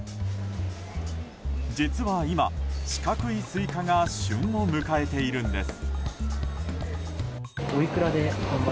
実は今、四角いスイカが旬を迎えているんです。